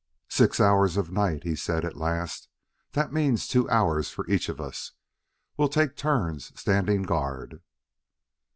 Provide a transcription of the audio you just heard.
"Six hours of night," he said at last; "that means two hours for each of us. We'll take turns standing guard."